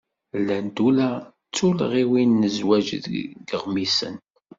Llant ula d tullɣiwin n zzwaǧ deg iɣmisen.